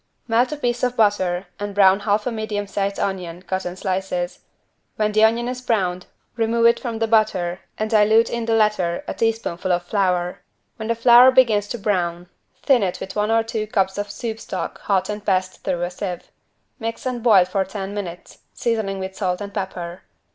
Melt a piece of butter and brown half a medium sized onion cut in slices. When the onion is browned remove it from the butter and dilute in the latter a teaspoonful of flour. When the flour begins to brown, thin it with one or two cups of soup stock hot and passed through a sieve. Mix and boil for ten minutes, seasoning with salt and pepper.